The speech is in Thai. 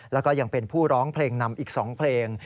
แล้วก็ยังเป็นผู้ร้องเพลงนำอีก๒เพลง